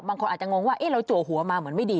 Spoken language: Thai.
บางคนอาจจะงงว่าเราจัวหัวมาเหมือนไม่ดี